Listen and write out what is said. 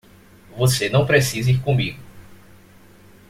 Você não precisa ir comigo.